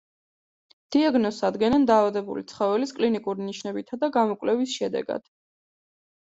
დიაგნოზს ადგენენ დაავადებული ცხოველის კლინიკური ნიშნებითა და გამოკვლევის შედეგად.